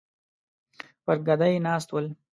پر ګدۍ ناست ول.